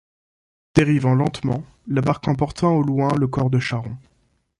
Dérivant lentement, la barque emporta au loin le corps de Charon.